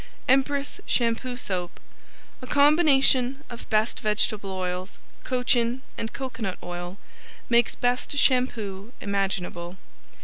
Empress Shampoo Soap A combination of best vegetable oils, cochin and coconut oil, makes best shampoo imaginable.